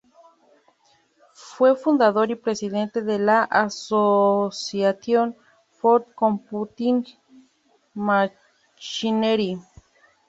Fue fundador y presidente de la Association for Computing Machinery.